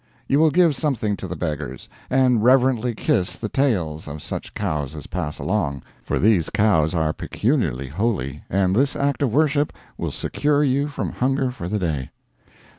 You will give something to the beggars, and "reverently kiss the tails" of such cows as pass along, for these cows are peculiarly holy, and this act of worship will secure you from hunger for the day.